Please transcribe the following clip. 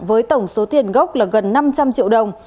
với tổng số tiền gốc là gần năm trăm linh triệu đồng